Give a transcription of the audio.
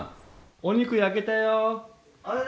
お肉焼けたよ。